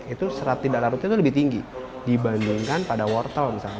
itu serat tidak larutnya itu lebih tinggi dibandingkan pada wortel misalnya